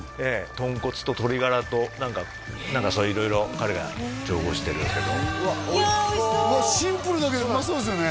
豚骨と鶏ガラと何かそれ色々彼が調合してるんですけどいやおいしそうシンプルだけどうまそうですよね